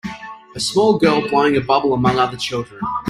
A small girl blowing a bubble among other children.